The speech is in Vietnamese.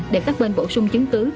để các bên bổ sung chứng cứ